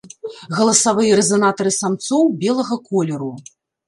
Галасавыя рэзанатары самцоў белага колеру.